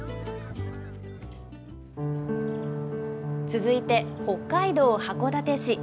続いて北海道函館市。